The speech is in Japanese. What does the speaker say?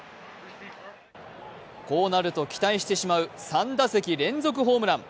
こうなると期待してしまう３打席連続ホームラン。